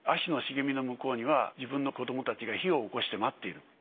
葦の茂みの向こうには自分の子どもたちが火をおこして待っている。